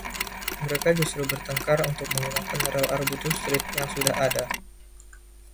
Mereka justru bertengkar untuk menggunakan rel Arbutus Street yang sudah ada.